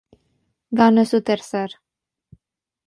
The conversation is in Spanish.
Ganó su tercer